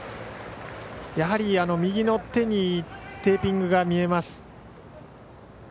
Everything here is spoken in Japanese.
やはり右の手にテーピングが見えます。